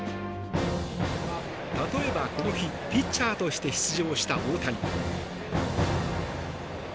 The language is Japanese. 例えば、この日ピッチャーとして出場した大谷。